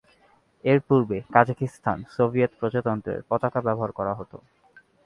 এর পূর্বে Kazakhstan Soviet প্রজাতন্ত্রের পতাকা ব্যবহার করা হতো।